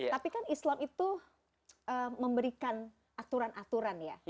tapi kan islam itu memberikan aturan aturan ya